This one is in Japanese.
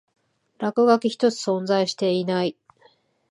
落書き一つ存在していない